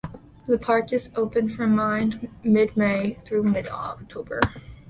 The park is open from mid-May through mid-October.